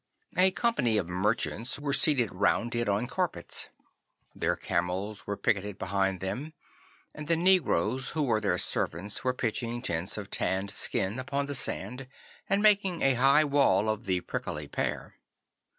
A company of merchants were seated round it on carpets. Their camels were picketed behind them, and the negroes who were their servants were pitching tents of tanned skin upon the sand, and making a high wall of the prickly pear.